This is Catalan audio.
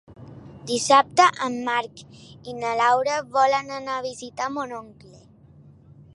Dissabte en Marc i na Laura volen anar a visitar mon oncle.